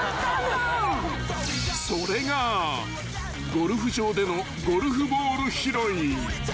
［それがゴルフ場でのゴルフボール拾い］